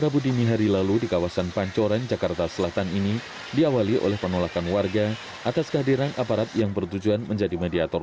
budi salah satu warga yang sudah